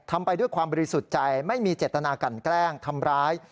ไปด้วยความบริสุทธิ์ใจไม่มีเจตนากันแกล้งทำร้าย